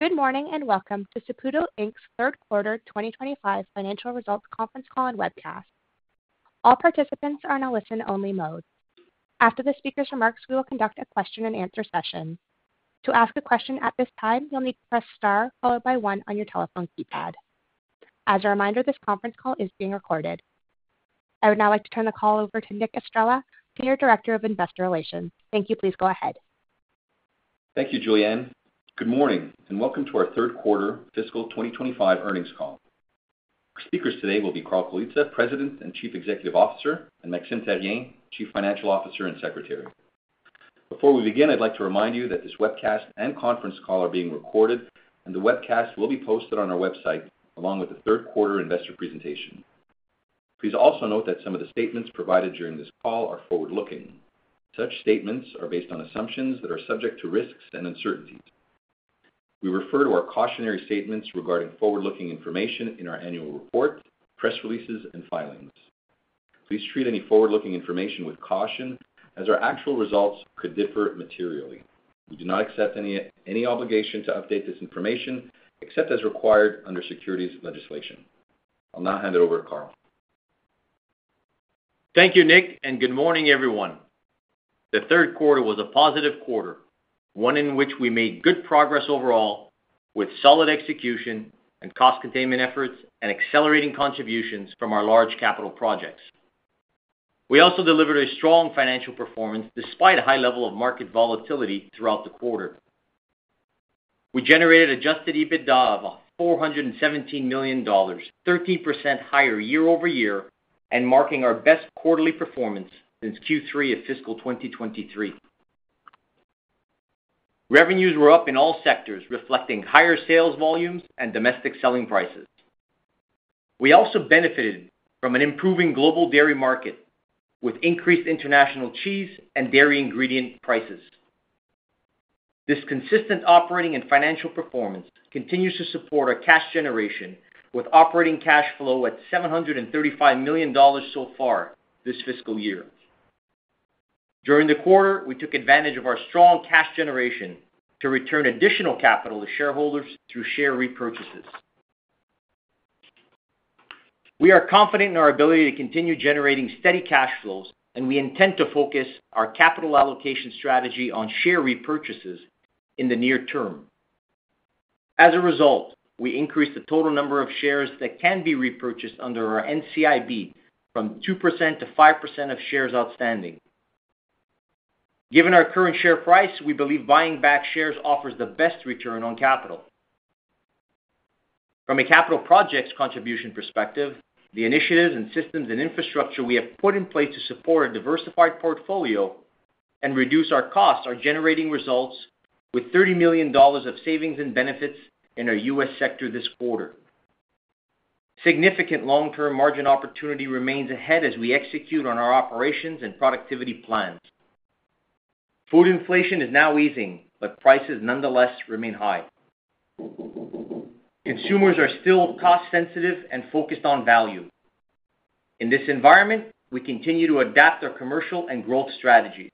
Good morning and welcome to Saputo Inc.'s third quarter 2025 financial results conference call and webcast. All participants are in a listen-only mode. After the speaker's remarks, we will conduct a question-and-answer session. To ask a question at this time, you'll need to press star followed by one on your telephone keypad. As a reminder, this conference call is being recorded. I would now like to turn the call over to Nick Estrela, Senior Director of Investor Relations. Nick, you please go ahead. Thank you, Julianne. Good morning and welcome to our third quarter fiscal 2025 earnings call. Our speakers today will be Carl Colizza, President and Chief Executive Officer, and Maxime Therrien, Chief Financial Officer and Secretary. Before we begin, I'd like to remind you that this webcast and conference call are being recorded, and the webcast will be posted on our website along with the third quarter investor presentation. Please also note that some of the statements provided during this call are forward-looking. Such statements are based on assumptions that are subject to risks and uncertainties. We refer to our cautionary statements regarding forward-looking information in our annual report, press releases, and filings. Please treat any forward-looking information with caution as our actual results could differ materially. We do not accept any obligation to update this information except as required under securities legislation. I'll now hand it over to Carl. Thank you, Nick, and good morning, everyone. The third quarter was a positive quarter, one in which we made good progress overall with solid execution and cost containment efforts and accelerating contributions from our large capital projects. We also delivered a strong financial performance despite a high level of market volatility throughout the quarter. We generated Adjusted EBITDA of 417 million dollars, 13% higher year-over-year, and marking our best quarterly performance since Q3 of fiscal 2023. Revenues were up in all sectors, reflecting higher sales volumes and domestic selling prices. We also benefited from an improving global dairy market with increased international cheese and dairy ingredient prices. This consistent operating and financial performance continues to support our cash generation with operating cash flow at 735 million dollars so far this fiscal year. During the quarter, we took advantage of our strong cash generation to return additional capital to shareholders through share repurchases. We are confident in our ability to continue generating steady cash flows, and we intend to focus our capital allocation strategy on share repurchases in the near term. As a result, we increased the total number of shares that can be repurchased under our NCIB from 2%-5% of shares outstanding. Given our current share price, we believe buying back shares offers the best return on capital. From a capital projects contribution perspective, the initiatives and systems and infrastructure we have put in place to support a diversified portfolio and reduce our costs are generating results with 30 million dollars of savings and benefits in our U.S. sector this quarter. Significant long-term margin opportunity remains ahead as we execute on our operations and productivity plans. Food inflation is now easing, but prices nonetheless remain high. Consumers are still cost-sensitive and focused on value. In this environment, we continue to adapt our commercial and growth strategies.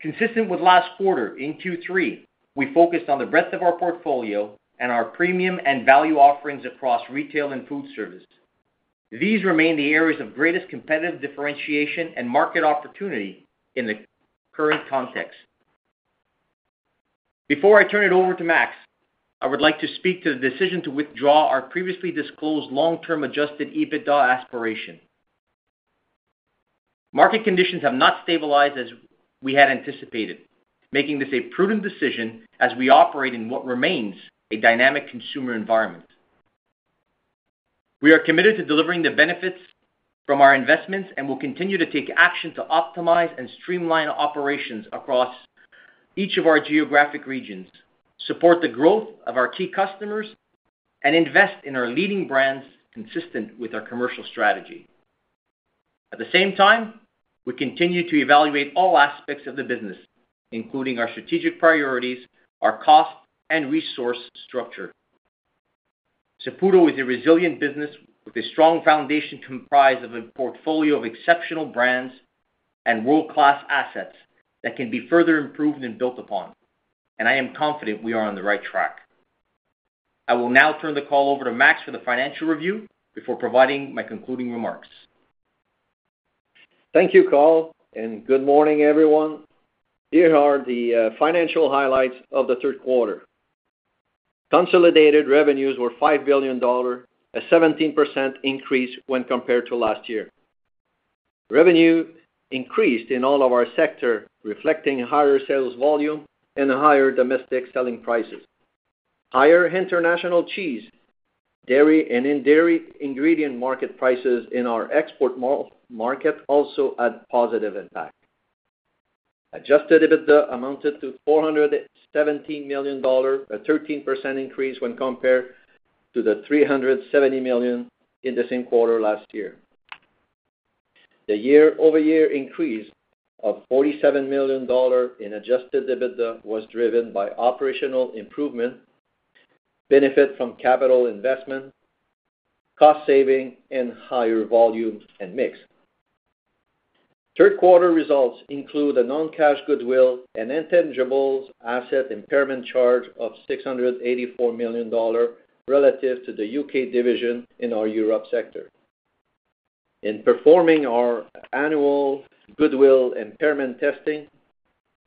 Consistent with last quarter, in Q3, we focused on the breadth of our portfolio and our premium and value offerings across retail and foodservice. These remain the areas of greatest competitive differentiation and market opportunity in the current context. Before I turn it over to Max, I would like to speak to the decision to withdraw our previously disclosed long-term Adjusted EBITDA aspiration. Market conditions have not stabilized as we had anticipated, making this a prudent decision as we operate in what remains a dynamic consumer environment. We are committed to delivering the benefits from our investments and will continue to take action to optimize and streamline operations across each of our geographic regions, support the growth of our key customers, and invest in our leading brands consistent with our commercial strategy. At the same time, we continue to evaluate all aspects of the business, including our strategic priorities, our cost, and resource structure. Saputo is a resilient business with a strong foundation comprised of a portfolio of exceptional brands and world-class assets that can be further improved and built upon, and I am confident we are on the right track. I will now turn the call over to Max for the financial review before providing my concluding remarks. Thank you, Carl, and good morning, everyone. Here are the financial highlights of the third quarter. Consolidated revenues were $5 billion, a 17% increase when compared to last year. Revenue increased in all of our sectors, reflecting higher sales volume and higher domestic selling prices. Higher international cheese, dairy, and in dairy ingredient market prices in our export market also had a positive impact. Adjusted EBITDA amounted to 417 million dollars, a 13% increase when compared to the 370 million in the same quarter last year. The year-over-year increase of 47 million dollars in adjusted EBITDA was driven by operational improvement, benefit from capital investment, cost saving, and higher volume and mix. Third quarter results include a non-cash goodwill and intangible asset impairment charge of 684 million dollars relative to the U.K. division in our Europe sector. In performing our annual goodwill impairment testing,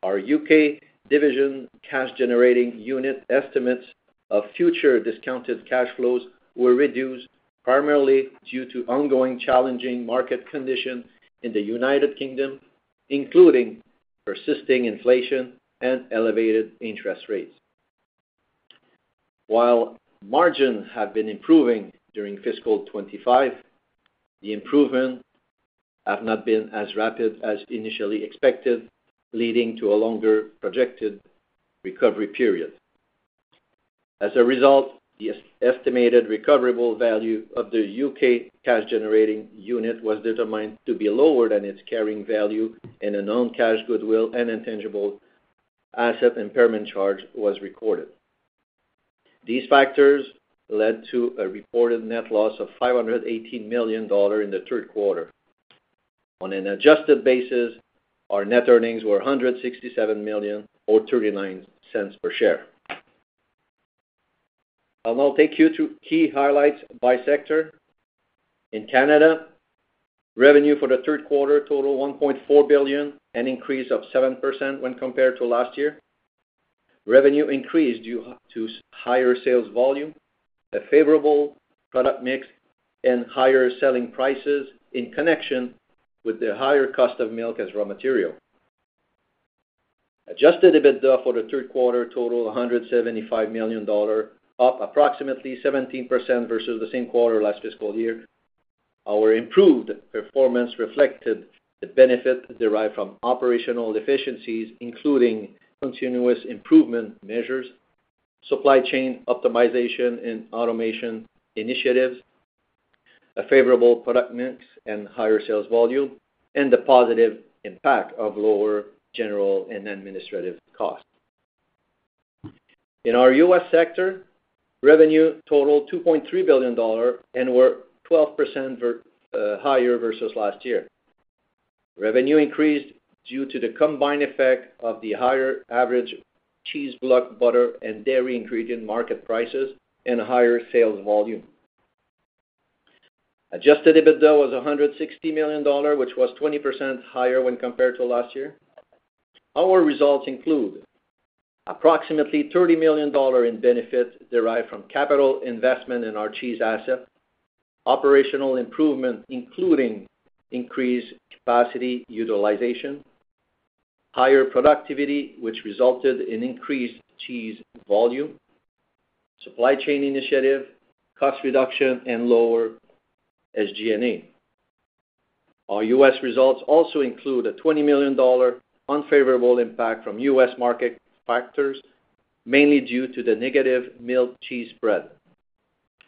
our U.K. division cash-generating unit estimates of future discounted cash flows were reduced primarily due to ongoing challenging market conditions in the United Kingdom, including persisting inflation and elevated interest rates. While margins have been improving during fiscal 2025, the improvements have not been as rapid as initially expected, leading to a longer projected recovery period. As a result, the estimated recoverable value of the U.K. cash-generating unit was determined to be lower than its carrying value and a non-cash goodwill and intangible asset impairment charge was recorded. These factors led to a reported net loss of 518 million dollars in the third quarter. On an adjusted basis, our net earnings were 167 million or 0.39 per share. I'll now take you to key highlights by sector. In Canada, revenue for the third quarter totaled 1.4 billion, an increase of 7% when compared to last year. Revenue increased due to higher sales volume, a favorable product mix, and higher selling prices in connection with the higher cost of milk as raw material. Adjusted EBITDA for the third quarter totaled 175 million dollar, up approximately 17% versus the same quarter last fiscal year. Our improved performance reflected the benefit derived from operational efficiencies, including continuous improvement measures, supply chain optimization, and automation initiatives, a favorable product mix, and higher sales volume, and the positive impact of lower general and administrative costs. In our U.S. sector, revenue totaled 2.3 billion dollar and were 12% higher versus last year. Revenue increased due to the combined effect of the higher average cheese, block butter, and dairy ingredient market prices and higher sales volume. Adjusted EBITDA was 160 million dollars, which was 20% higher when compared to last year. Our results include approximately 30 million dollar in benefits derived from capital investment in our cheese asset, operational improvement, including increased capacity utilization, higher productivity, which resulted in increased cheese volume, supply chain initiative, cost reduction, and lower SG&A. Our U.S. results also include a 20 million dollar unfavorable impact from U.S. market factors, mainly due to the negative milk cheese spread.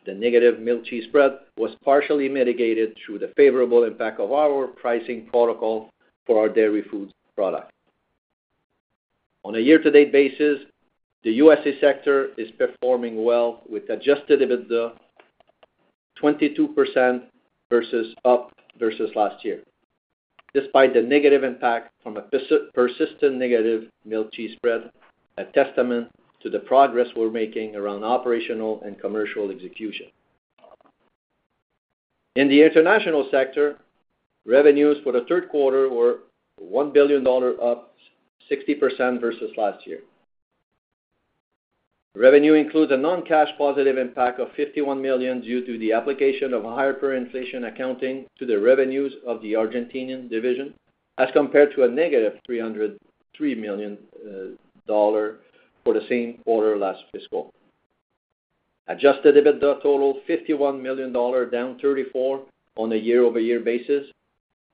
The negative milk cheese spread was partially mitigated through the favorable impact of our pricing protocol for our dairy foods product. On a year-to-date basis, the U.S. sector is performing well with Adjusted EBITDA of 22% versus up versus last year, despite the negative impact from a persistent negative milk cheese spread, a testament to the progress we're making around operational and commercial execution. In the international sector, revenues for the third quarter were 1 billion dollars, up 60% versus last year. Revenue includes a non-cash positive impact of 51 million due to the application of hyperinflation accounting to the revenues of the Argentine division as compared to a negative 303 million dollar for the same quarter last fiscal. Adjusted EBITDA totaled 51 million dollars, down 34% on a year-over-year basis.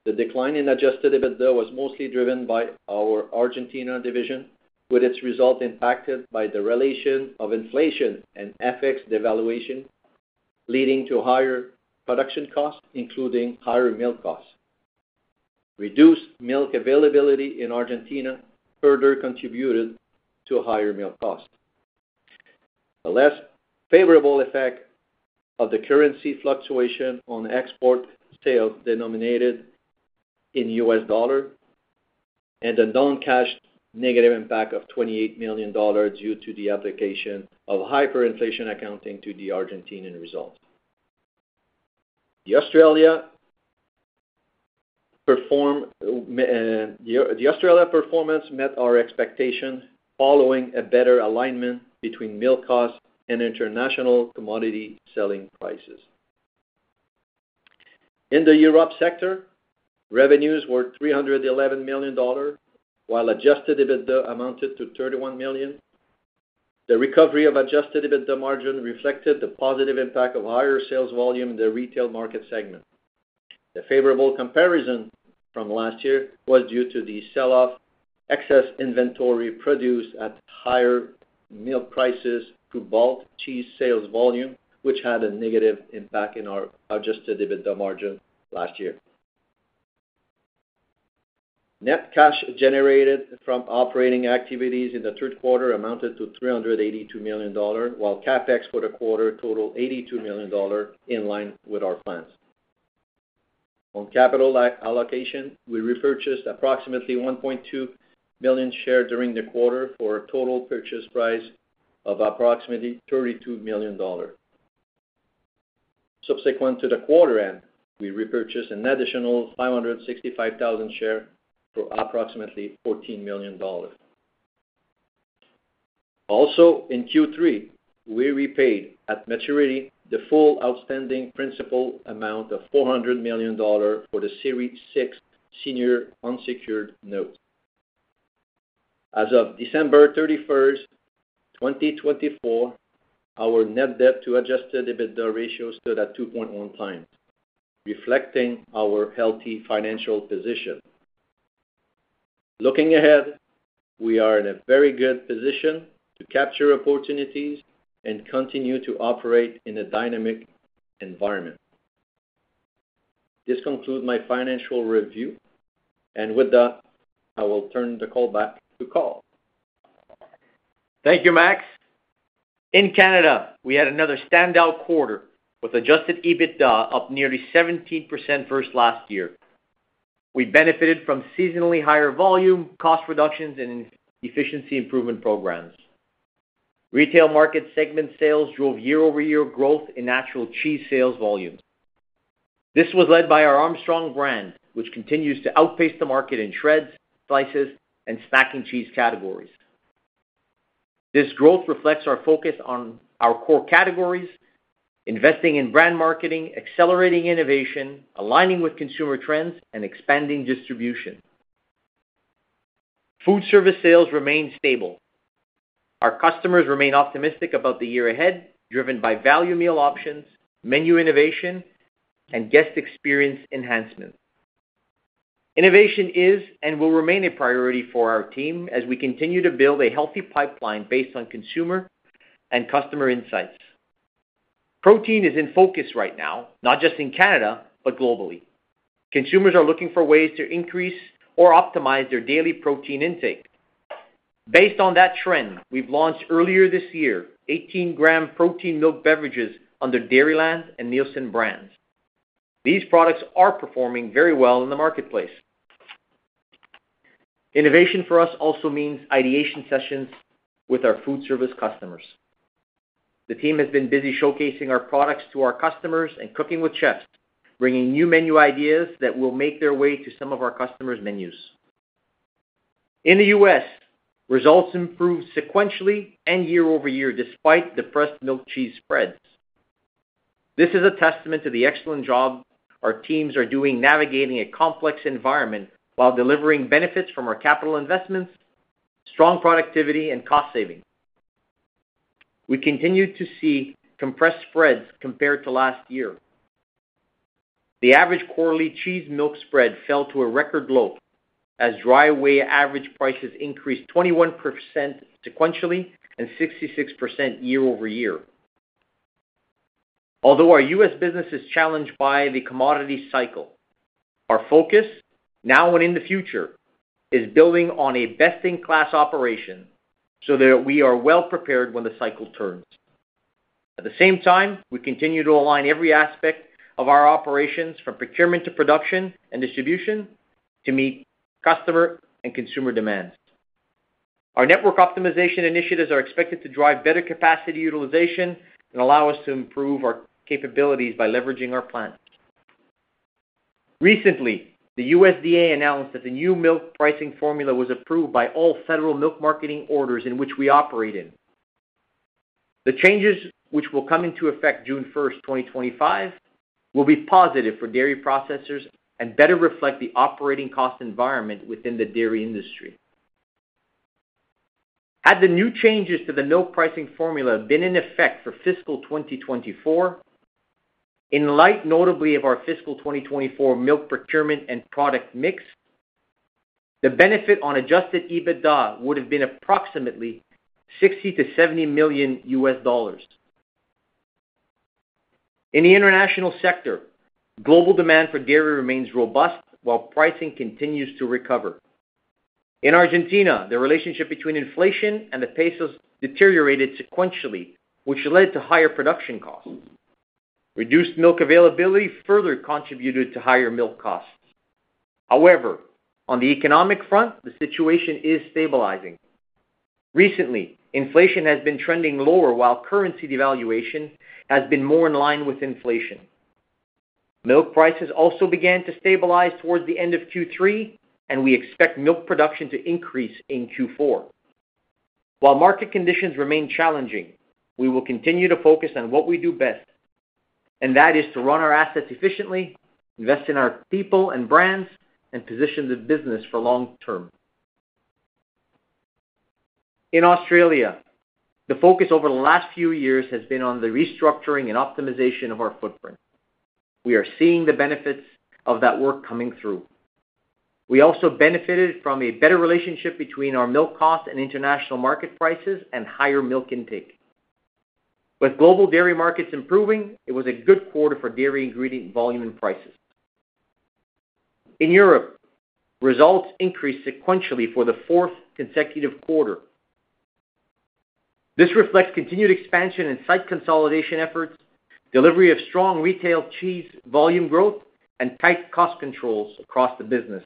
The decline in adjusted EBITDA was mostly driven by our Argentina division, with its result impacted by the relation of inflation and FX devaluation, leading to higher production costs, including higher milk costs. Reduced milk availability in Argentina further contributed to higher milk costs. The less favorable effect of the currency fluctuation on export sales denominated in U.S. dollar and a non-cash negative impact of 28 million dollars due to the application of hyperinflation accounting to the Argentina results. The Australian performance met our expectations following a better alignment between milk costs and international commodity selling prices. In the Europe sector, revenues were 311 million dollars, while adjusted EBITDA amounted to 31 million. The recovery of adjusted EBITDA margin reflected the positive impact of higher sales volume in the retail market segment. The favorable comparison from last year was due to the sell-off excess inventory produced at higher milk prices to bulk cheese sales volume, which had a negative impact in our adjusted EBITDA margin last year. Net cash generated from operating activities in the third quarter amounted to 382 million dollar, while CapEx for the quarter totaled 82 million dollar in line with our plans. On capital allocation, we repurchased approximately 1.2 million shares during the quarter for a total purchase price of approximately 32 million dollars. Subsequent to the quarter end, we repurchased an additional 565,000 shares for approximately CAD 14 million. Also, in Q3, we repaid at maturity the full outstanding principal amount of 400 million dollars for the Series 6 Senior Unsecured Notes. As of December 31st, 2024, our net debt-to-Adjusted EBITDA ratio stood at 2.1x, reflecting our healthy financial position. Looking ahead, we are in a very good position to capture opportunities and continue to operate in a dynamic environment. This concludes my financial review, and with that, I will turn the call back to Carl. Thank you, Max. In Canada, we had another standout quarter with Adjusted EBITDA up nearly 17% versus last year. We benefited from seasonally higher volume, cost reductions, and efficiency improvement programs. Retail market segment sales drove year-over-year growth in actual cheese sales volumes. This was led by our Armstrong brand, which continues to outpace the market in shreds, slices, and snacking cheese categories. This growth reflects our focus on our core categories, investing in brand marketing, accelerating innovation, aligning with consumer trends, and expanding distribution. Foodservice sales remained stable. Our customers remain optimistic about the year ahead, driven by value meal options, menu innovation, and guest experience enhancement. Innovation is and will remain a priority for our team as we continue to build a healthy pipeline based on consumer and customer insights. Protein is in focus right now, not just in Canada, but globally. Consumers are looking for ways to increase or optimize their daily protein intake. Based on that trend, we've launched earlier this year 18 g protein milk beverages under Dairyland and Neilson brands. These products are performing very well in the marketplace. Innovation for us also means ideation sessions with our Foodservice customers. The team has been busy showcasing our products to our customers and cooking with chefs, bringing new menu ideas that will make their way to some of our customers' menus. In the U.S., results improved sequentially and year-over-year despite the pressured milk cheese spreads. This is a testament to the excellent job our teams are doing navigating a complex environment while delivering benefits from our capital investments, strong productivity, and cost savings. We continue to see compressed spreads compared to last year. The average quarterly cheese milk spread fell to a record low as dry whey average prices increased 21% sequentially and 66% year-over-year. Although our U.S. business is challenged by the commodity cycle, our focus now and in the future is building on a best-in-class operation so that we are well prepared when the cycle turns. At the same time, we continue to align every aspect of our operations from procurement to production and distribution to meet customer and consumer demands. Our network optimization initiatives are expected to drive better capacity utilization and allow us to improve our capabilities by leveraging our plants. Recently, the USDA announced that the new milk pricing formula was approved by all Federal Milk Marketing Orders in which we operate in. The changes, which will come into effect June 1st, 2025, will be positive for dairy processors and better reflect the operating cost environment within the dairy industry. Had the new changes to the milk pricing formula been in effect for fiscal 2024, in light notably of our fiscal 2024 milk procurement and product mix, the benefit on Adjusted EBITDA would have been approximately $60 million-$70 million. In the international sector, global demand for dairy remains robust while pricing continues to recover. In Argentina, the relationship between inflation and the peso has deteriorated sequentially, which led to higher production costs. Reduced milk availability further contributed to higher milk costs. However, on the economic front, the situation is stabilizing. Recently, inflation has been trending lower while currency devaluation has been more in line with inflation. Milk prices also began to stabilize towards the end of Q3, and we expect milk production to increase in Q4. While market conditions remain challenging, we will continue to focus on what we do best, and that is to run our assets efficiently, invest in our people and brands, and position the business for long term. In Australia, the focus over the last few years has been on the restructuring and optimization of our footprint. We are seeing the benefits of that work coming through. We also benefited from a better relationship between our milk costs and international market prices and higher milk intake. With global dairy markets improving, it was a good quarter for dairy ingredient volume and prices. In Europe, results increased sequentially for the fourth consecutive quarter. This reflects continued expansion and site consolidation efforts, delivery of strong retail cheese volume growth, and tight cost controls across the business.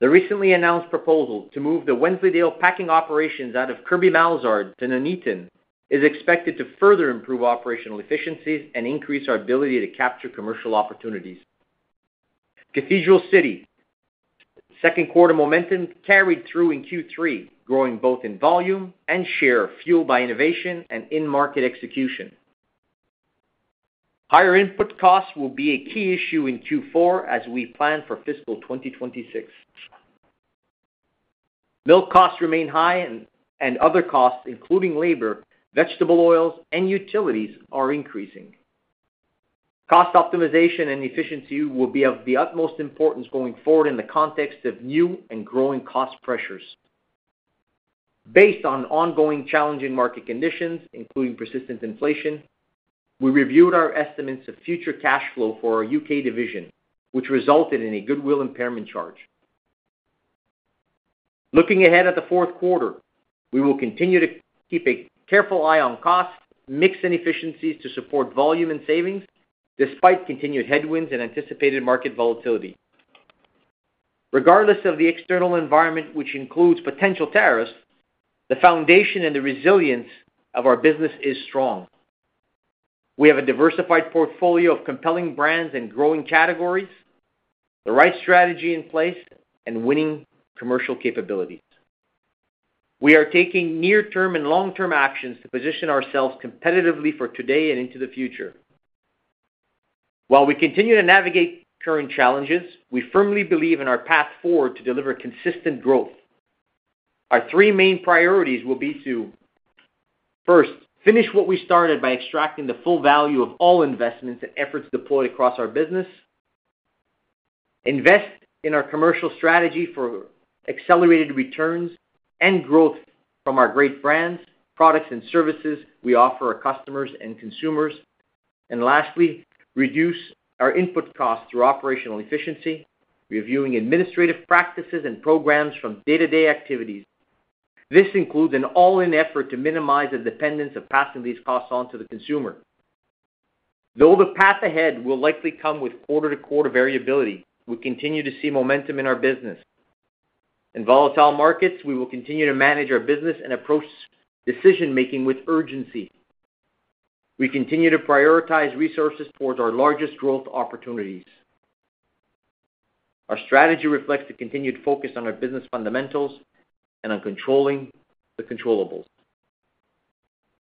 The recently announced proposal to move the Wensleydale packing operations out of Kirkby Malzeard to Nuneaton is expected to further improve operational efficiencies and increase our ability to capture commercial opportunities. Cathedral City, second quarter momentum carried through in Q3, growing both in volume and share fueled by innovation and in-market execution. Higher input costs will be a key issue in Q4 as we plan for fiscal 2026. Milk costs remain high, and other costs, including labor, vegetable oils, and utilities, are increasing. Cost optimization and efficiency will be of the utmost importance going forward in the context of new and growing cost pressures. Based on ongoing challenging market conditions, including persistent inflation, we reviewed our estimates of future cash flow for our U.K. division, which resulted in a goodwill impairment charge. Looking ahead at the fourth quarter, we will continue to keep a careful eye on costs, mix inefficiencies to support volume and savings despite continued headwinds and anticipated market volatility. Regardless of the external environment, which includes potential tariffs, the foundation and the resilience of our business is strong. We have a diversified portfolio of compelling brands and growing categories, the right strategy in place, and winning commercial capabilities. We are taking near-term and long-term actions to position ourselves competitively for today and into the future. While we continue to navigate current challenges, we firmly believe in our path forward to deliver consistent growth. Our three main priorities will be to: first, finish what we started by extracting the full value of all investments and efforts deployed across our business; invest in our commercial strategy for accelerated returns and growth from our great brands, products, and services we offer our customers and consumers; and lastly, reduce our input costs through operational efficiency, reviewing administrative practices and programs from day-to-day activities. This includes an all-in effort to minimize the dependence of passing these costs on to the consumer. Though the path ahead will likely come with quarter-to-quarter variability, we continue to see momentum in our business. In volatile markets, we will continue to manage our business and approach decision-making with urgency. We continue to prioritize resources towards our largest growth opportunities. Our strategy reflects a continued focus on our business fundamentals and on controlling the controllables.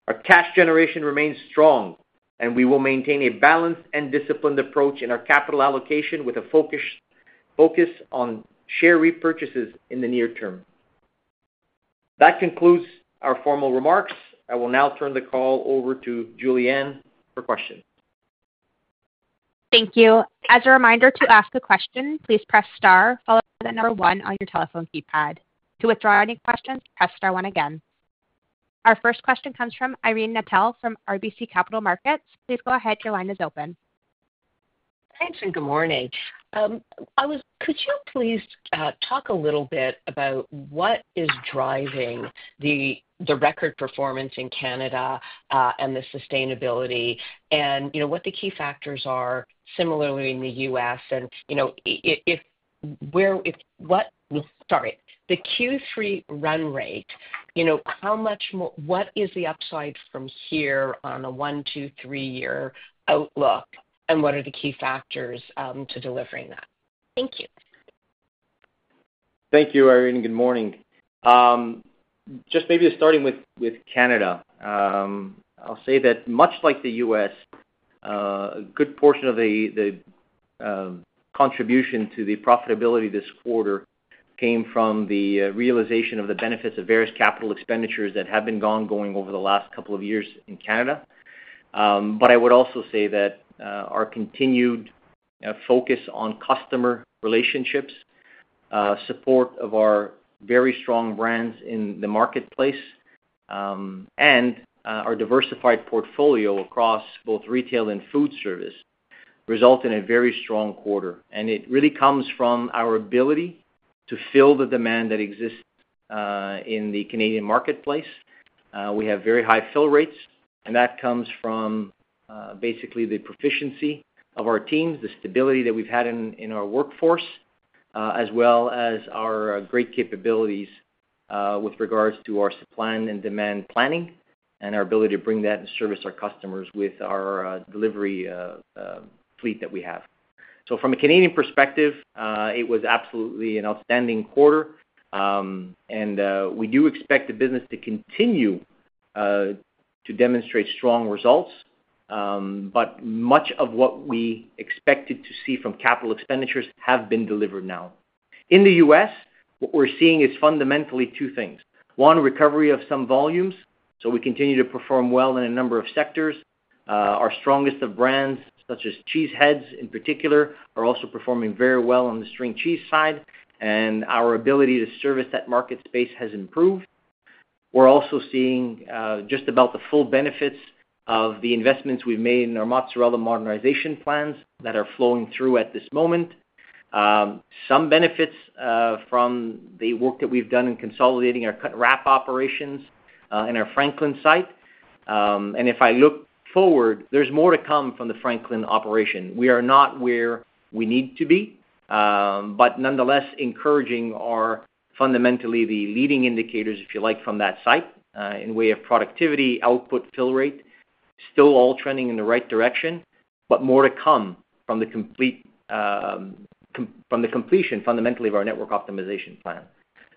Our cash generation remains strong, and we will maintain a balanced and disciplined approach in our capital allocation with a focus on share repurchases in the near term. That concludes our formal remarks. I will now turn the call over to Julianne for questions. Thank you. As a reminder to ask a question, please press star, followed by the number one on your telephone keypad. To withdraw any questions, press star one again. Our first question comes from Irene Nattel from RBC Capital Markets. Please go ahead. Your line is open. Thanks and good morning. Could you please talk a little bit about what is driving the record performance in Canada and the sustainability and what the key factors are, similarly in the U.S.? What, sorry, the Q3 run rate, how much more, what is the upside from here on a one, two, three-year outlook, and what are the key factors to delivering that? Thank you. Thank you, Irene. Good morning. Just maybe starting with Canada, I'll say that much like the U.S., a good portion of the contribution to the profitability this quarter came from the realization of the benefits of various capital expenditures that have been going over the last couple of years in Canada. But I would also say that our continued focus on customer relationships, support of our very strong brands in the marketplace, and our diversified portfolio across both retail and Foodservice result in a very strong quarter. And it really comes from our ability to fill the demand that exists in the Canadian marketplace. We have very high fill rates, and that comes from basically the proficiency of our teams, the stability that we've had in our workforce, as well as our great capabilities with regards to our supply and demand planning and our ability to bring that and service our customers with our delivery fleet that we have. So from a Canadian perspective, it was absolutely an outstanding quarter, and we do expect the business to continue to demonstrate strong results, but much of what we expected to see from capital expenditures have been delivered now. In the U.S., what we're seeing is fundamentally two things. One, recovery of some volumes, so we continue to perform well in a number of sectors. Our strongest of brands, such as Cheese Heads in particular, are also performing very well on the string cheese side, and our ability to service that market space has improved. We're also seeing just about the full benefits of the investments we've made in our mozzarella modernization plans that are flowing through at this moment. Some benefits from the work that we've done in consolidating our cut wrap operations in our Franklin site. And if I look forward, there's more to come from the Franklin operation. We are not where we need to be, but nonetheless encouraging are fundamentally the leading indicators, if you like, from that site in way of productivity, output, fill rate, still all trending in the right direction, but more to come from the completion fundamentally of our network optimization plan.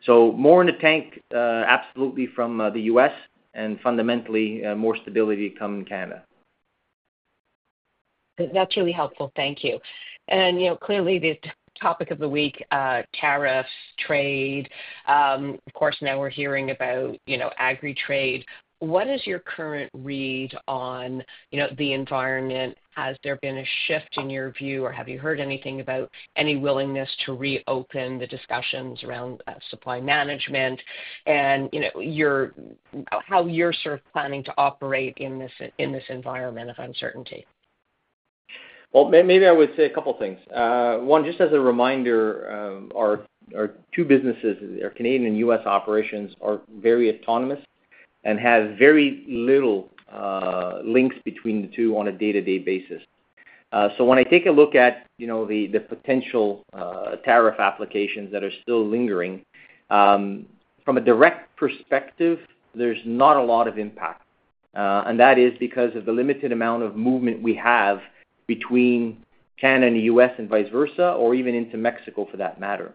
So more in the tank, absolutely from the U.S., and fundamentally more stability to come in Canada. That's really helpful. Thank you. And clearly, the topic of the week, tariffs, trade, of course, now we're hearing about agri-trade. What is your current read on the environment? Has there been a shift in your view, or have you heard anything about any willingness to reopen the discussions around Supply Management and how you're sort of planning to operate in this environment of uncertainty? Maybe I would say a couple of things. One, just as a reminder, our two businesses, our Canadian and U.S. operations, are very autonomous and have very little links between the two on a day-to-day basis. So when I take a look at the potential tariff applications that are still lingering, from a direct perspective, there's not a lot of impact. And that is because of the limited amount of movement we have between Canada and the U.S. and vice versa, or even into Mexico for that matter.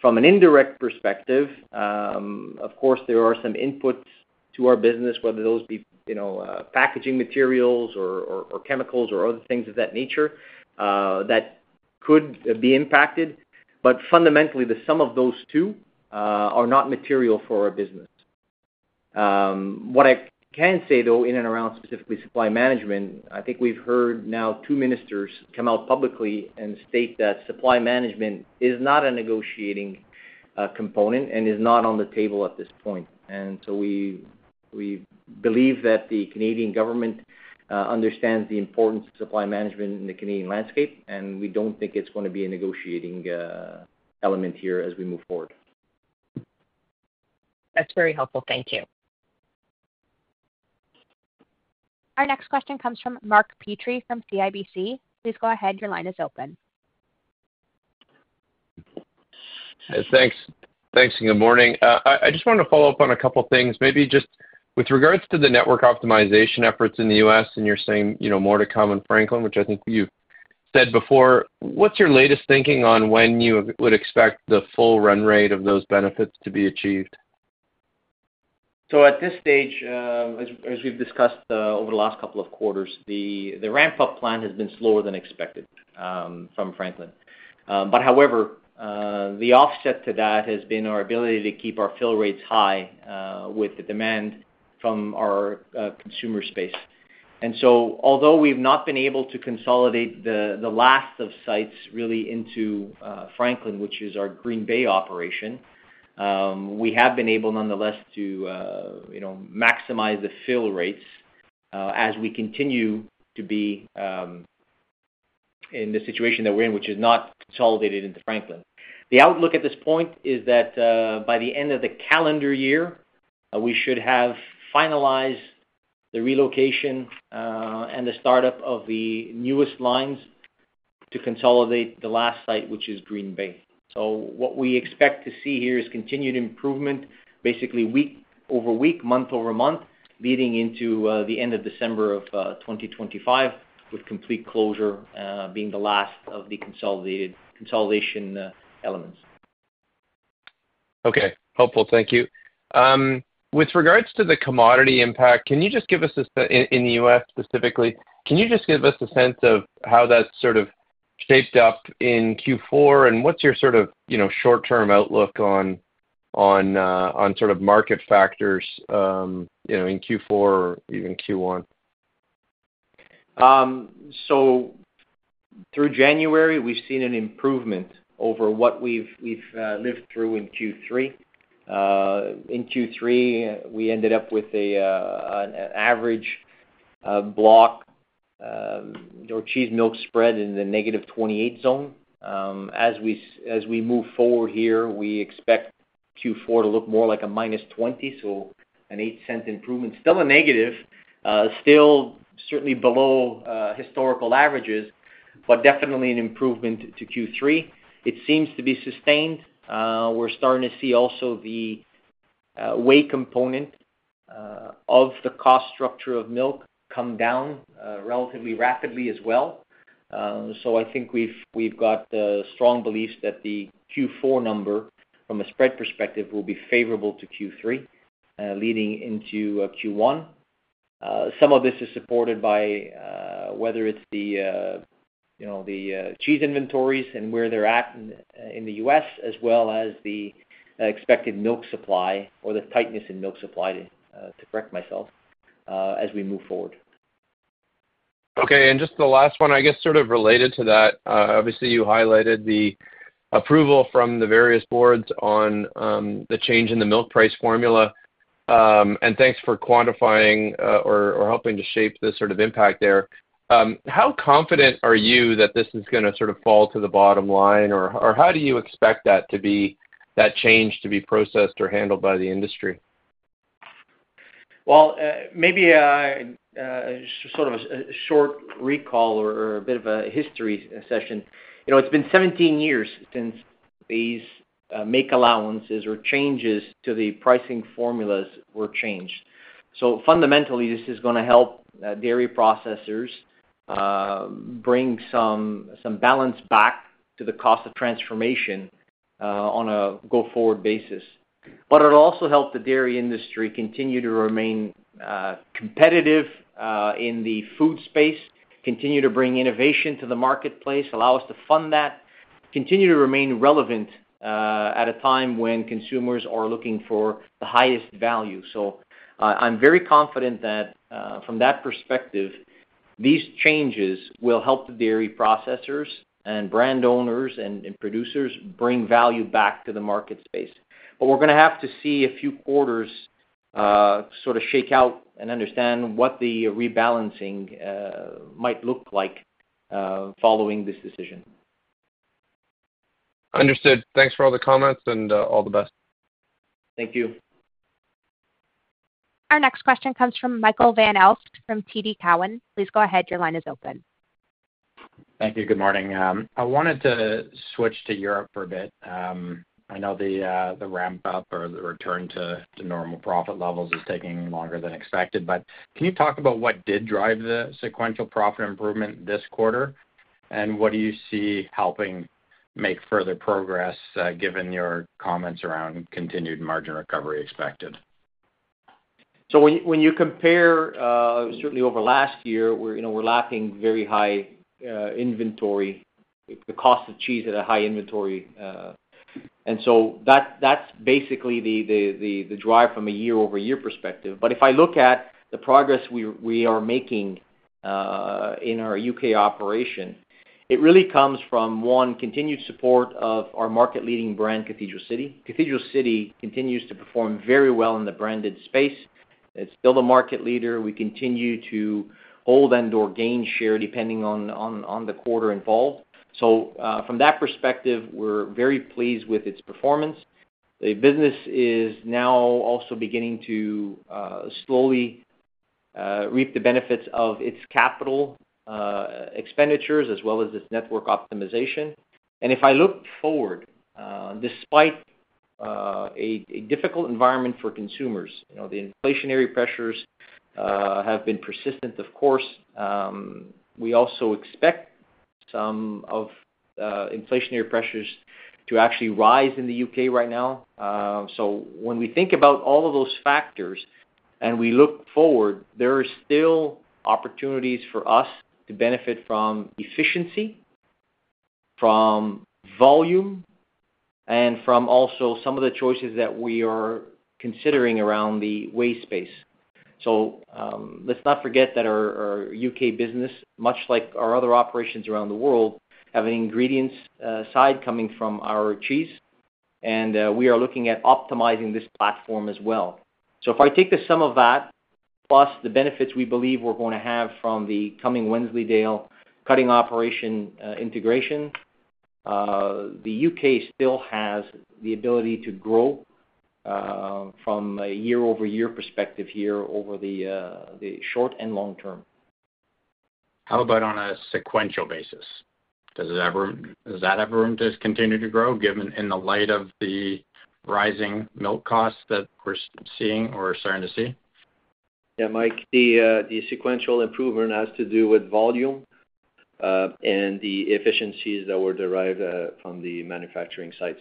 From an indirect perspective, of course, there are some inputs to our business, whether those be packaging materials or chemicals or other things of that nature that could be impacted, but fundamentally, the sum of those two are not material for our business. What I can say, though, in and around specifically Supply Management, I think we've heard now two ministers come out publicly and state that Supply Management is not a negotiating component and is not on the table at this point, and so we believe that the Canadian government understands the importance of Supply Management in the Canadian landscape, and we don't think it's going to be a negotiating element here as we move forward. That's very helpful. Thank you. Our next question comes from Mark Petrie from CIBC. Please go ahead. Your line is open. Thanks. Thanks and good morning. I just wanted to follow up on a couple of things, maybe just with regards to the network optimization efforts in the U.S., and you're saying more to come in Franklin, which I think you've said before. What's your latest thinking on when you would expect the full run rate of those benefits to be achieved? So at this stage, as we've discussed over the last couple of quarters, the ramp-up plan has been slower than expected from Franklin. But however, the offset to that has been our ability to keep our fill rates high with the demand from our consumer space. And so although we've not been able to consolidate the last of sites really into Franklin, which is our Green Bay operation, we have been able nonetheless to maximize the fill rates as we continue to be in the situation that we're in, which is not consolidated into Franklin. The outlook at this point is that by the end of the calendar year, we should have finalized the relocation and the startup of the newest lines to consolidate the last site, which is Green Bay. So what we expect to see here is continued improvement, basically week over week, month over month, leading into the end of December of 2025, with complete closure being the last of the consolidation elements. Okay. Helpful. Thank you. With regards to the commodity impact, can you just give us a in the U.S. Specifically, can you just give us a sense of how that's sort of shaped up in Q4, and what's your sort of short-term outlook on sort of market factors in Q4 or even Q1? So through January, we've seen an improvement over what we've lived through in Q3. In Q3, we ended up with an average block cheese milk spread in the -28 zone. As we move forward here, we expect Q4 to look more like a -20, so an 0.08 improvement, still a negative, still certainly below historical averages, but definitely an improvement to Q3. It seems to be sustained. We're starting to see also the whey component of the cost structure of milk come down relatively rapidly as well. So I think we've got strong beliefs that the Q4 number from a spread perspective will be favorable to Q3, leading into Q1. Some of this is supported by whether it's the cheese inventories and where they're at in the U.S., as well as the expected milk supply or the tightness in milk supply, to correct myself, as we move forward. Okay, and just the last one, I guess sort of related to that, obviously you highlighted the approval from the various boards on the change in the milk price formula, and thanks for quantifying or helping to shape this sort of impact there. How confident are you that this is going to sort of fall to the bottom line, or how do you expect that change to be processed or handled by the industry? Well, maybe sort of a short recall or a bit of a history session. It's been 17 years since these make allowances or changes to the pricing formulas were changed. So fundamentally, this is going to help dairy processors bring some balance back to the cost of transformation on a go-forward basis. But it'll also help the dairy industry continue to remain competitive in the food space, continue to bring innovation to the marketplace, allow us to fund that, continue to remain relevant at a time when consumers are looking for the highest value. So I'm very confident that from that perspective, these changes will help the dairy processors and brand owners and producers bring value back to the market space. But we're going to have to see a few quarters sort of shake out and understand what the rebalancing might look like following this decision. Understood. Thanks for all the comments and all the best. Thank you. Our next question comes from Michael Van Aelst from TD Cowen. Please go ahead. Your line is open. Thank you. Good morning. I wanted to switch to Europe for a bit. I know the ramp-up or the return to normal profit levels is taking longer than expected, but can you talk about what did drive the sequential profit improvement this quarter, and what do you see helping make further progress given your comments around continued margin recovery expected? So when you compare, certainly over last year, we're looking at very high inventory, the cost of cheese at a high inventory. And so that's basically the drive from a year-over-year perspective. But if I look at the progress we are making in our U.K. operation, it really comes from, one, continued support of our market-leading brand, Cathedral City. Cathedral City continues to perform very well in the branded space. It's still the market leader. We continue to hold and/or gain share depending on the quarter involved. So from that perspective, we're very pleased with its performance. The business is now also beginning to slowly reap the benefits of its capital expenditures as well as its network optimization. And if I look forward, despite a difficult environment for consumers, the inflationary pressures have been persistent, of course. We also expect some of the inflationary pressures to actually rise in the U.K. right now. So when we think about all of those factors and we look forward, there are still opportunities for us to benefit from efficiency, from volume, and from also some of the choices that we are considering around the whey space. So let's not forget that our U.K. business, much like our other operations around the world, have an ingredients side coming from our cheese, and we are looking at optimizing this platform as well. So if I take the sum of that, plus the benefits we believe we're going to have from the coming Wensleydale cutting operation integration, the U.K. still has the ability to grow from a year-over-year perspective here over the short and long term. How about on a sequential basis? Does that have room to continue to grow given in the light of the rising milk costs that we're seeing or starting to see? Yeah, Mike, the sequential improvement has to do with volume and the efficiencies that were derived from the manufacturing sites.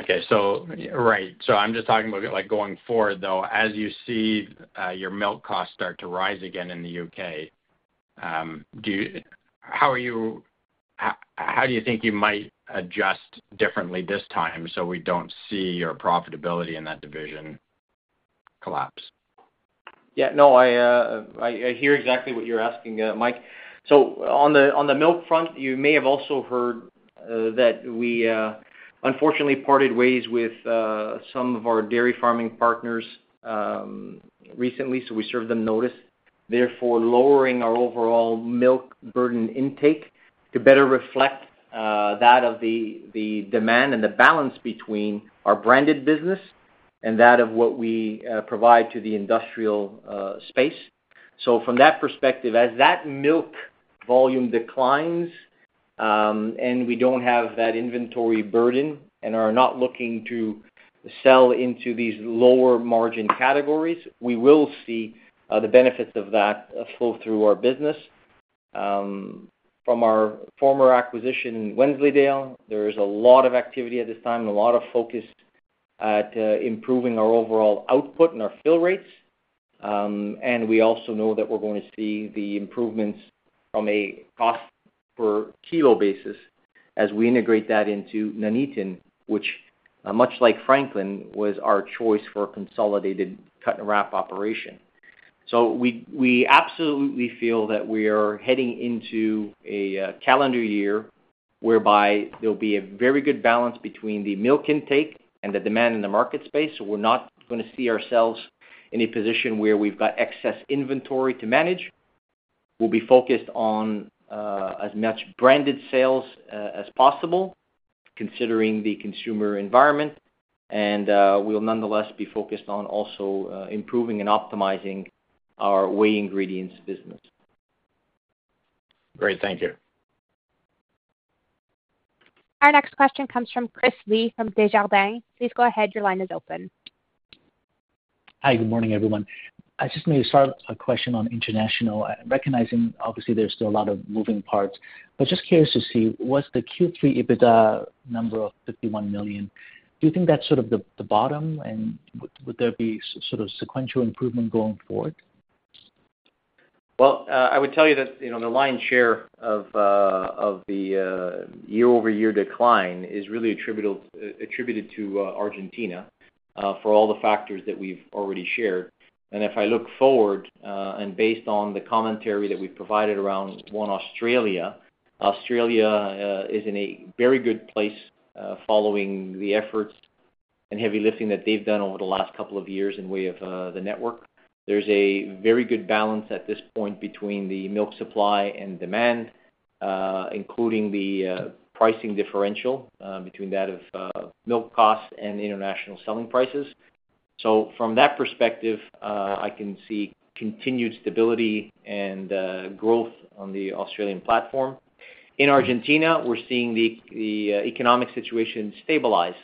Okay. So right. So I'm just talking about going forward, though, as you see your milk costs start to rise again in the U.K., how do you think you might adjust differently this time so we don't see your profitability in that division collapse? Yeah. No, I hear exactly what you're asking, Mike. So on the milk front, you may have also heard that we unfortunately parted ways with some of our dairy farming partners recently, so we served them notice. Therefore, lowering our overall milk burden intake to better reflect that of the demand and the balance between our branded business and that of what we provide to the industrial space. So from that perspective, as that milk volume declines and we don't have that inventory burden and are not looking to sell into these lower margin categories, we will see the benefits of that flow through our business. From our former acquisition in Wensleydale, there is a lot of activity at this time and a lot of focus at improving our overall output and our fill rates. And we also know that we're going to see the improvements from a cost per kilo basis as we integrate that into Nuneaton, which, much like Franklin, was our choice for a consolidated cut and wrap operation. So we absolutely feel that we are heading into a calendar year whereby there'll be a very good balance between the milk intake and the demand in the market space. So we're not going to see ourselves in a position where we've got excess inventory to manage. We'll be focused on as much branded sales as possible, considering the consumer environment, and we'll nonetheless be focused on also improving and optimizing our whey ingredients business. Great. Thank you. Our next question comes from Chris Li from Desjardins. Please go ahead. Your line is open. Hi. Good morning, everyone. I just need to start a question on international. Recognizing, obviously, there's still a lot of moving parts, but just curious to see, was the Q3 EBITDA number of 51 million? Do you think that's sort of the bottom, and would there be sort of sequential improvement going forward? I would tell you that the lion's share of the year-over-year decline is really attributed to Argentina for all the factors that we've already shared. And if I look forward and based on the commentary that we've provided around our Australia, Australia is in a very good place following the efforts and heavy lifting that they've done over the last couple of years by way of the network. There's a very good balance at this point between the milk supply and demand, including the pricing differential between that of milk costs and international selling prices. So from that perspective, I can see continued stability and growth on the Australian platform. In Argentina, we're seeing the economic situation stabilize,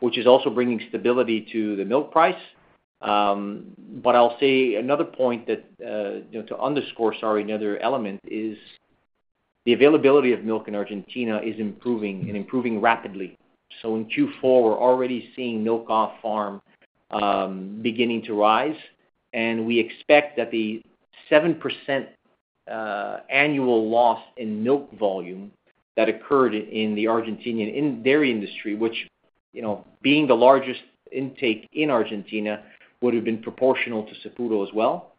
which is also bringing stability to the milk price. But I'll say another point to underscore, sorry, another element is the availability of milk in Argentina is improving and improving rapidly. So in Q4, we're already seeing milk off farm beginning to rise, and we expect that the 7% annual loss in milk volume that occurred in the Argentine dairy industry, which being the largest intake in Argentina, would have been proportional to Saputo as well.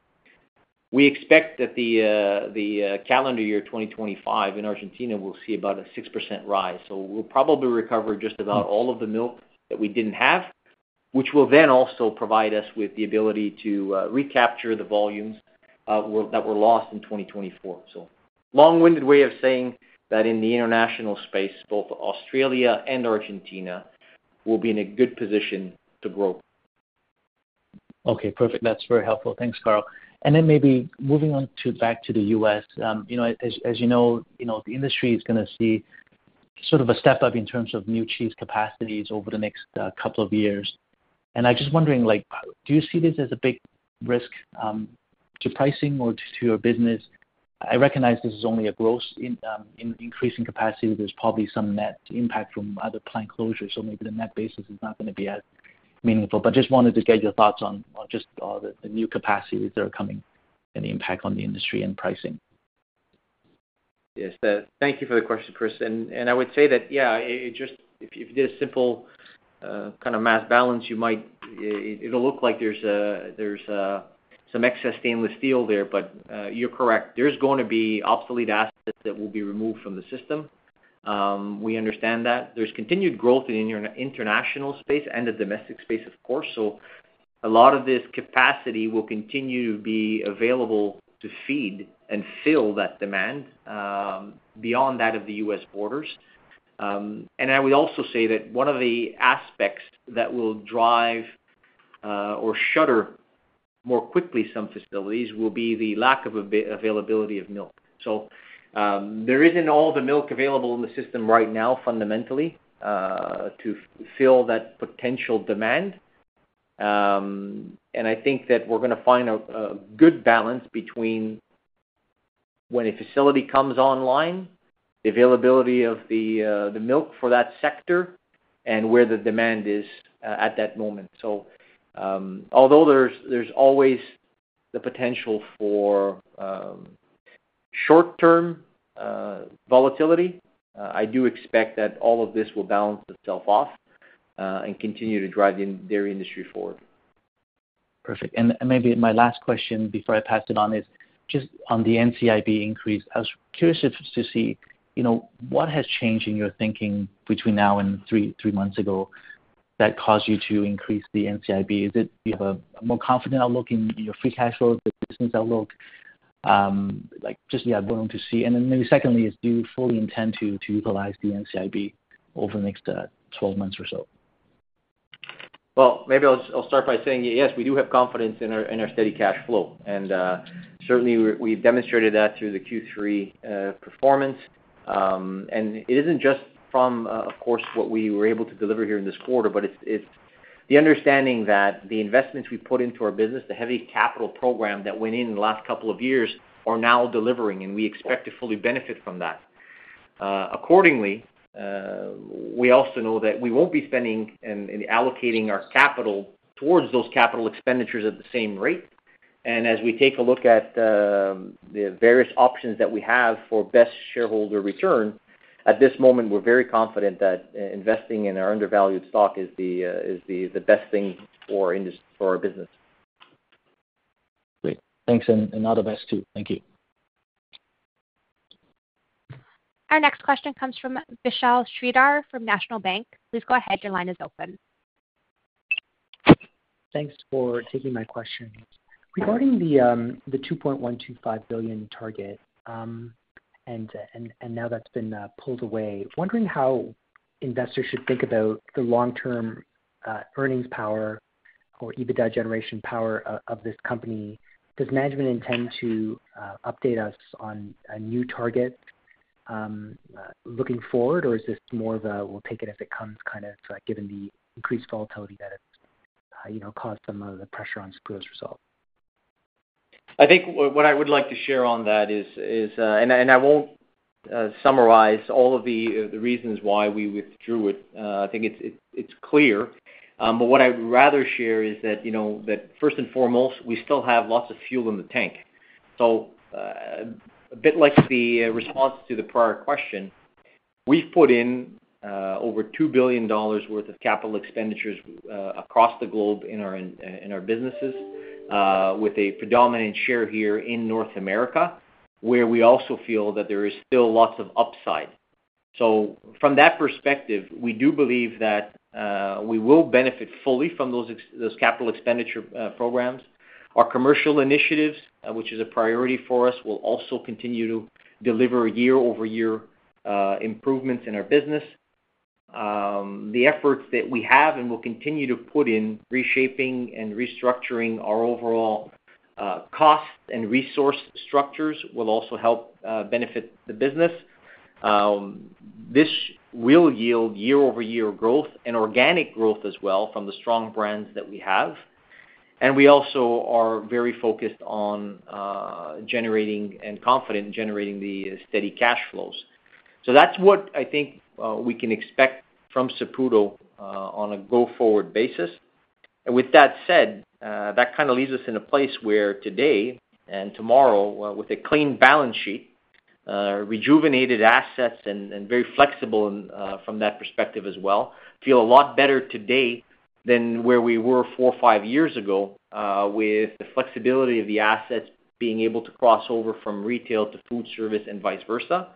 We expect that the calendar year 2025 in Argentina will see about a 6% rise. So we'll probably recover just about all of the milk that we didn't have, which will then also provide us with the ability to recapture the volumes that were lost in 2024.So long-winded way of saying that in the international space, both Australia and Argentina will be in a good position to grow. Okay. Perfect. That's very helpful. Thanks, Carl. And then maybe moving back to the U.S., as you know, the industry is going to see sort of a step up in terms of new cheese capacities over the next couple of years. And I'm just wondering, do you see this as a big risk to pricing or to your business? I recognize this is only a gross increase in capacity. There's probably some net impact from other plant closures, so maybe the net basis is not going to be as meaningful. But just wanted to get your thoughts on just the new capacities that are coming and the impact on the industry and pricing. Yes. Thank you for the question, Chris. I would say that, yeah, if you did a simple kind of mass balance, it'll look like there's some excess stainless steel there, but you're correct. There's going to be obsolete assets that will be removed from the system. We understand that. There's continued growth in the international space and the domestic space, of course. A lot of this capacity will continue to be available to feed and fill that demand beyond that of the U.S. borders. I would also say that one of the aspects that will drive or shutter more quickly some facilities will be the lack of availability of milk. There isn't all the milk available in the system right now fundamentally to fill that potential demand. I think that we're going to find a good balance between when a facility comes online, the availability of the milk for that sector, and where the demand is at that moment. So although there's always the potential for short-term volatility, I do expect that all of this will balance itself off and continue to drive the dairy industry forward. Perfect. Maybe my last question before I pass it on is just on the NCIB increase. I was curious to see what has changed in your thinking between now and three months ago that caused you to increase the NCIB. Is it you have a more confident outlook in your free cash flow, the business outlook? Just, yeah, wanting to see. Then maybe secondly, do you fully intend to utilize the NCIB over the next 12 months or so? Maybe I'll start by saying, yes, we do have confidence in our steady cash flow. Certainly, we've demonstrated that through the Q3 performance. It isn't just from, of course, what we were able to deliver here in this quarter, but it's the understanding that the investments we put into our business, the heavy capital program that went in the last couple of years, are now delivering, and we expect to fully benefit from that. Accordingly, we also know that we won't be spending and allocating our capital towards those capital expenditures at the same rate. As we take a look at the various options that we have for best shareholder return, at this moment, we're very confident that investing in our undervalued stock is the best thing for our business. Great. Thanks. All the best too. Thank you. Our next question comes from Michal Swider from National Bank. Please go ahead. Your line is open. Thanks for taking my question. Regarding the 2.125 billion target, and now that's been pulled away, wondering how investors should think about the long-term earnings power or EBITDA generation power of this company. Does management intend to update us on a new target looking forward, or is this more of a, "We'll take it as it comes," kind of given the increased volatility that has caused some of the pressure on Saputo's result? I think what I would like to share on that is, and I won't summarize all of the reasons why we withdrew it. I think it's clear. But what I would rather share is that, first and foremost, we still have lots of fuel in the tank. A bit like the response to the prior question, we've put in over 2 billion dollars worth of capital expenditures across the globe in our businesses, with a predominant share here in North America, where we also feel that there is still lots of upside. From that perspective, we do believe that we will benefit fully from those capital expenditure programs. Our commercial initiatives, which is a priority for us, will also continue to deliver year-over-year improvements in our business. The efforts that we have and will continue to put in reshaping and restructuring our overall cost and resource structures will also help benefit the business. This will yield year-over-year growth and organic growth as well from the strong brands that we have. We also are very focused on generating and confident in generating the steady cash flows. So that's what I think we can expect from Saputo on a go-forward basis. And with that said, that kind of leaves us in a place where today and tomorrow, with a clean balance sheet, rejuvenated assets, and very flexible from that perspective as well, feel a lot better today than where we were four or five years ago with the flexibility of the assets being able to cross over from retail to Foodservice and vice versa.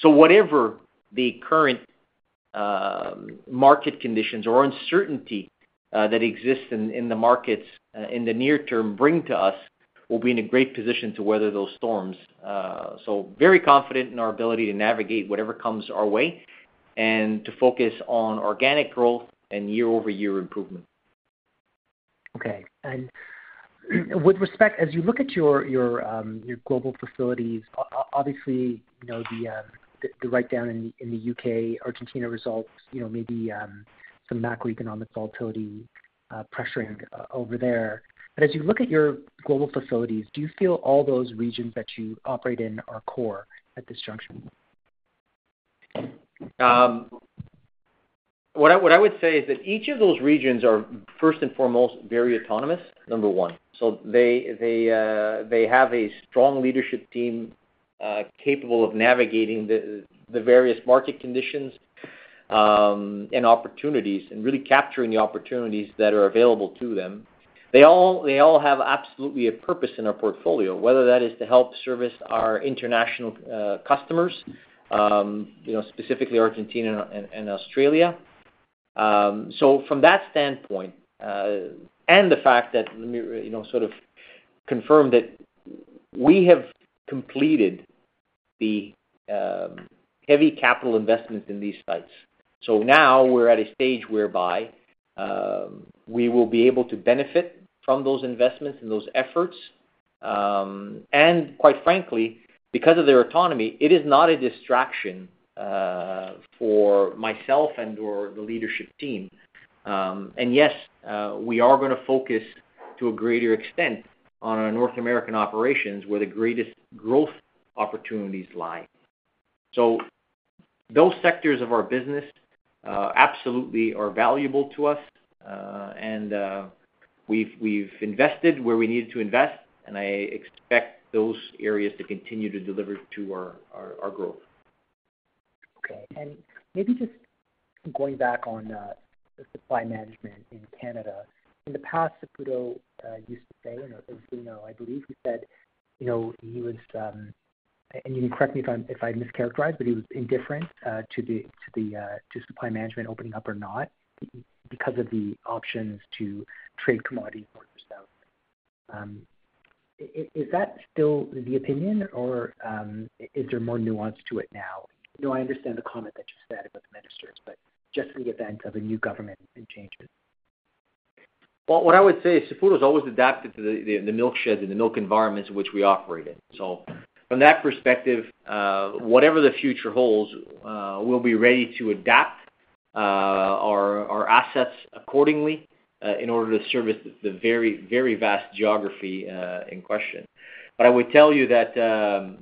So whatever the current market conditions or uncertainty that exists in the markets in the near term bring to us, we'll be in a great position to weather those storms. So very confident in our ability to navigate whatever comes our way and to focus on organic growth and year-over-year improvement. Okay. And with respect, as you look at your global facilities, obviously, the write-down in the UK, Argentina results, maybe some macroeconomic volatility pressuring over there. But as you look at your global facilities, do you feel all those regions that you operate in are core at this juncture? What I would say is that each of those regions are, first and foremost, very autonomous, number one. So they have a strong leadership team capable of navigating the various market conditions and opportunities and really capturing the opportunities that are available to them. They all have absolutely a purpose in our portfolio, whether that is to help service our international customers, specifically Argentina and Australia. So from that standpoint and the fact that let me sort of confirm that we have completed the heavy capital investments in these sites. So now we're at a stage whereby we will be able to benefit from those investments and those efforts. And quite frankly, because of their autonomy, it is not a distraction for myself and/or the leadership team. And yes, we are going to focus to a greater extent on our North American operations where the greatest growth opportunities lie. So those sectors of our business absolutely are valuable to us, and we've invested where we needed to invest, and I expect those areas to continue to deliver to our growth. Okay. And maybe just going back on Supply Management in Canada, in the past, Saputo used to say, and as we know, I believe he said he was, and you can correct me if I mischaracterized, but he was indifferent to the Supply Management opening up or not because of the options to trade commodities north or south. Is that still the opinion, or is there more nuance to it now? I understand the comment that you said about the ministers, but just in the event of a new government and changes. Well, what I would say is Saputo's always adapted to the milk sheds and the milk environments in which we operate in. So from that perspective, whatever the future holds, we'll be ready to adapt our assets accordingly in order to service the very vast geography in question. But I would tell you that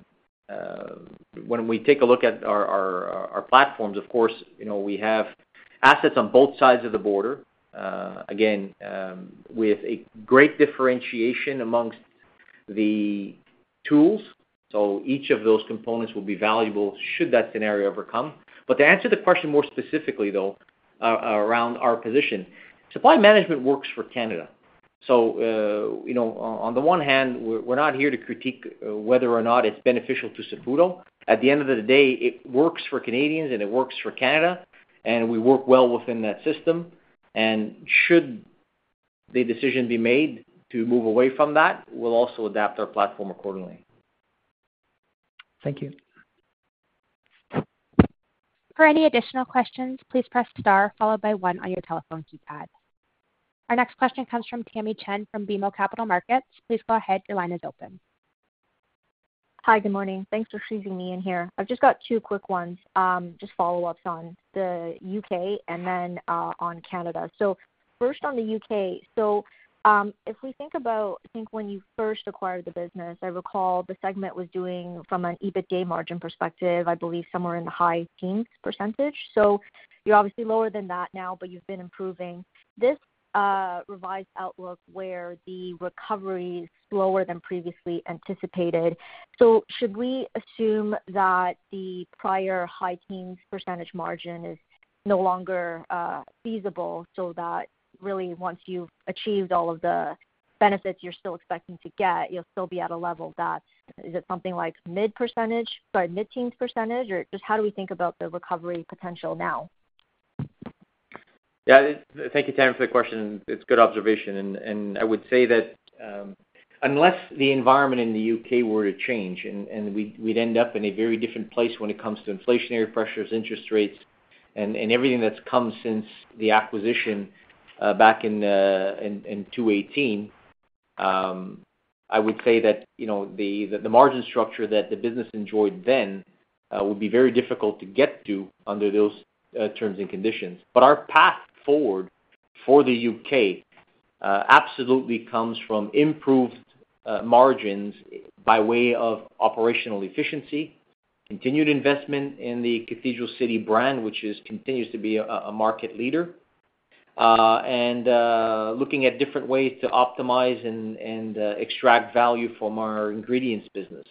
when we take a look at our platforms, of course, we have assets on both sides of the border, again, with a great differentiation amongst the tools. So each of those components will be valuable should that scenario ever come. But to answer the question more specifically, though, around our position, Supply Management works for Canada. So on the one hand, we're not here to critique whether or not it's beneficial to Saputo. At the end of the day, it works for Canadians, and it works for Canada, and we work well within that system. And should the decision be made to move away from that, we'll also adapt our platform accordingly. Thank you. For any additional questions, please press star followed by one on your telephone keypad. Our next question comes from Tamy Chen from BMO Capital Markets. Please go ahead. Your line is open. Hi. Good morning. Thanks for squeezing me in here. I've just got two quick ones, just follow-ups on the UK and then on Canada. So first on the UK, so if we think about, I think when you first acquired the business, I recall the segment was doing, from an EBITDA margin perspective, I believe somewhere in the high teens percentage. So you're obviously lower than that now, but you've been improving. This revised outlook where the recovery is slower than previously anticipated. So should we assume that the prior high teens percentage margin is no longer feasible so that really, once you've achieved all of the benefits you're still expecting to get, you'll still be at a level that is it something like mid-percentage, sorry, mid-teens percentage, or just how do we think about the recovery potential now? Yeah. Thank you, Tamy, for the question. It's a good observation. And I would say that unless the environment in the U.K. were to change, and we'd end up in a very different place when it comes to inflationary pressures, interest rates, and everything that's come since the acquisition back in 2018, I would say that the margin structure that the business enjoyed then would be very difficult to get to under those terms and conditions. But our path forward for the U.K. absolutely comes from improved margins by way of operational efficiency, continued investment in the Cathedral City brand, which continues to be a market leader, and looking at different ways to optimize and extract value from our ingredients business.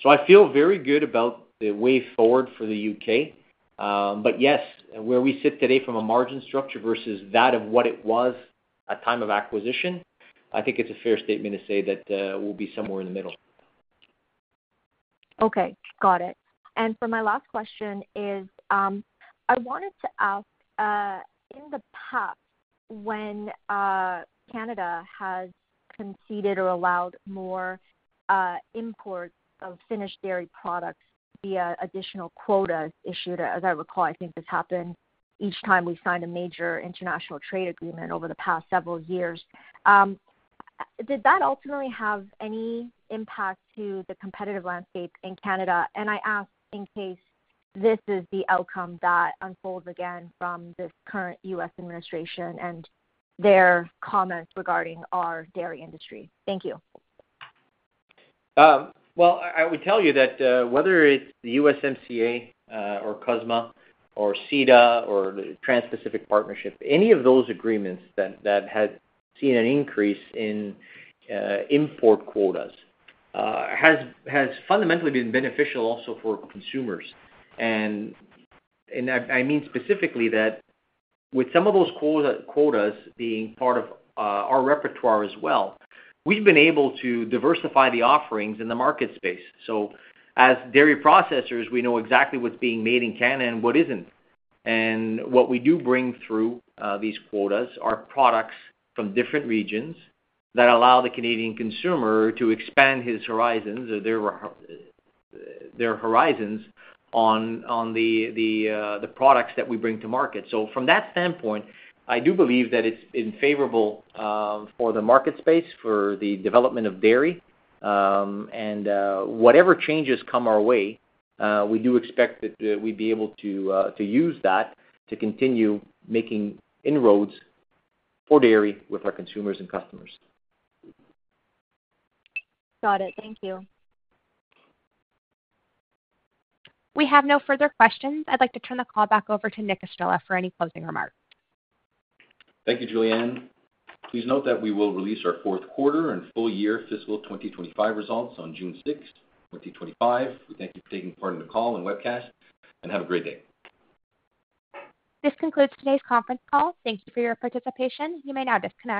So I feel very good about the way forward for the U.K. But yes, where we sit today from a margin structure versus that of what it was at time of acquisition, I think it's a fair statement to say that we'll be somewhere in the middle. Okay. Got it. And for my last question is, I wanted to ask, in the past, when Canada has conceded or allowed more imports of finished dairy products via additional quotas issued, as I recall, I think this happened each time we signed a major international trade agreement over the past several years, did that ultimately have any impact to the competitive landscape in Canada? And I ask in case this is the outcome that unfolds again from this current U.S. administration and their comments regarding our dairy industry. Thank you. Well, I would tell you that whether it's the USMCA or CUSMA or CETA or the Trans-Pacific Partnership, any of those agreements that have seen an increase in import quotas has fundamentally been beneficial also for consumers. And I mean specifically that with some of those quotas being part of our repertoire as well, we've been able to diversify the offerings in the market space. So as dairy processors, we know exactly what's being made in Canada and what isn't. And what we do bring through these quotas are products from different regions that allow the Canadian consumer to expand his horizons or their horizons on the products that we bring to market. So from that standpoint, I do believe that it's been favorable for the market space for the development of dairy. and whatever changes come our way, we do expect that we'd be able to use that to continue making inroads for dairy with our consumers and customers. Got it. Thank you. We have no further questions. I'd like to turn the call back over to Nick Estrela for any closing remarks. Thank you, Julianne. Please note that we will release our fourth quarter and full year fiscal 2025 results on June 6th, 2025. We thank you for taking part in the call and webcast, and have a great day. This concludes today's conference call. Thank you for your participation. You may now disconnect.